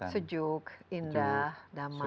sejuk indah damai